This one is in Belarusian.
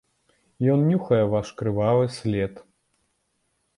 Ён нюхае ваш крывавы след.